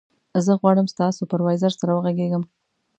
زه غواړم ستا سوپروایزر سره وغږېږم.